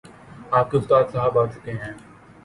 آپ کے استاد صاحب آ چکے ہیں